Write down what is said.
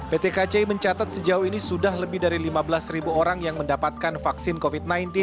pt kci mencatat sejauh ini sudah lebih dari lima belas ribu orang yang mendapatkan vaksin covid sembilan belas